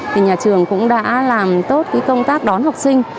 thì nhà trường cũng đã làm tốt công tác đón học sinh